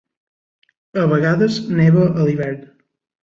A vegades, neva a l'hivern.